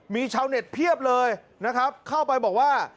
มีชาวเน็ตเพียบเลยนะครับเข้าไปบอกว่า